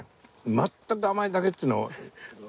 全く甘いだけっていうのも。